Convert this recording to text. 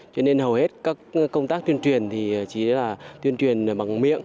cho nên hầu hết các công tác tuyên truyền thì chỉ là tuyên truyền bằng miệng